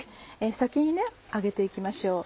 先に揚げて行きましょう。